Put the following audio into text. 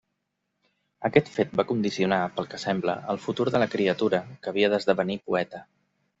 Aquest fet va condicionar, pel que sembla, el futur de la criatura, que havia d'esdevenir poeta.